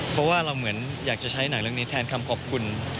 เพราะว่าเราเหมือนอยากจะใช้หนังเรื่องนี้แทนคำขอบคุณ